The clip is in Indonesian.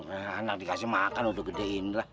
anak dikasih makan udah gedein lah